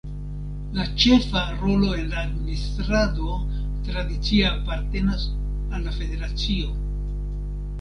La ĉefa rolo en la administrado tradicie apartenas al la federacio.